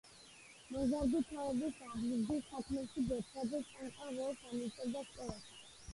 მოზარდი თაობის აღზრდის საქმეში ბოცვაძე წამყვან როლს ანიჭებდა სკოლას.